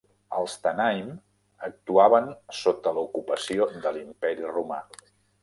Els "Tannaim" actuaven sota l'ocupació de l'Imperi Romà.